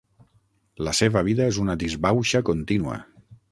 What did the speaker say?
La seva vida és una disbauxa contínua.